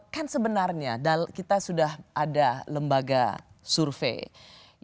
kan sebenarnya kita sudah ada lembaga survei